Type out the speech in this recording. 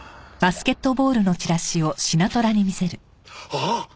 あっ！